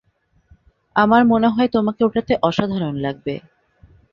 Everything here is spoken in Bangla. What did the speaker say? আমার মনে হয় তোমাকে ওটাতে অসাধারণ লাগবে।